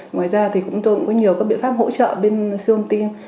ngoài ra thì cũng có nhiều các biện pháp hỗ trợ bên siêu âm tim